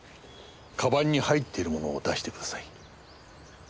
鞄に入っているものを出してください。